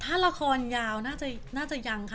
ถ้าละครยาวน่าจะยังค่ะ